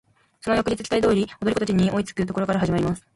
その翌日期待通り踊り子達に追いつく処から始まります。